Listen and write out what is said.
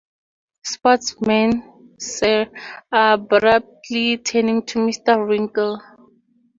Sportsman, sir?’ abruptly turning to Mr. Winkle.